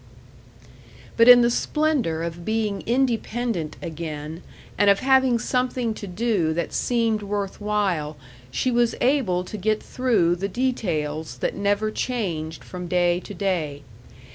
But in the splendor of being independent again and of having something to do that seemed worth while she was able to get through the details that never changed from day to day.